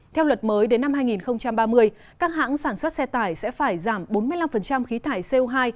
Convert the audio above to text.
theo luật mới đến năm hai nghìn ba mươi các hãng sản xuất xe tải sẽ phải giảm bốn mươi năm khí thải co hai